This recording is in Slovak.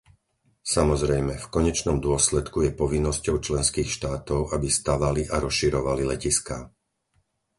Samozrejme, v konečnom dôsledku je povinnosťou členských štátov, aby stavali a rozširovali letiská.